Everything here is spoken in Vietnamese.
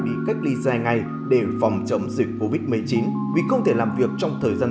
đi ra ngoài hai người này không phát